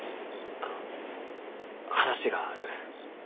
あの話がある。